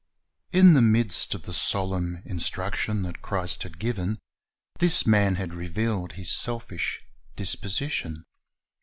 In the midst of the solemn instruction that Christ had given, this man had revealed his selfish disposition.